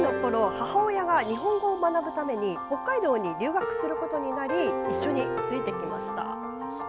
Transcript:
母親が日本を学ぶために北海道に留学することになり一緒についてきました。